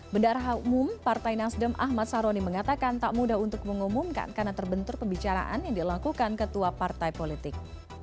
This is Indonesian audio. bendara umum partai nasdem ahmad saroni mengatakan tak mudah untuk mengumumkan karena terbentur pembicaraan yang dilakukan ketua partai politik